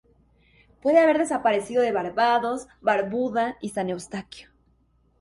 Puede haber desaparecido de Barbados, Barbuda y San Eustaquio.